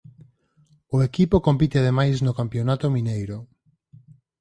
O equipo compite ademais no Campionato Mineiro.